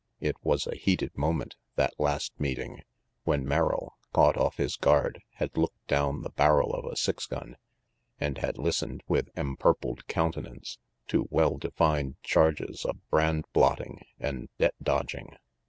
It was a heated moment, that last meeting, when Merrill, caught off his guard, had looked down the barrel of a six gun and had listened with empurpled counte nance to well defined charges of brand blotting and debt dodging.